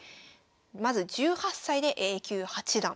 まず「１８歳でＡ級八段」。